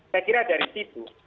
saya kira dari situ